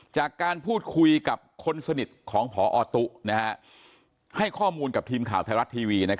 จากการพูดคุยกับคนสนิทของพอตุ๊ให้ข้อมูลกับทีมข่าวไทยรัฐทีวี